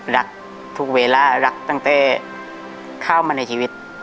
รักทุกเวลารักตั้งแต่เข้ามาในชีวิต